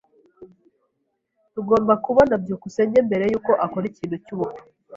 Tugomba kubona byukusenge mbere yuko akora ikintu cyubupfu.